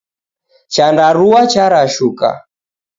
Chandarua charashuka.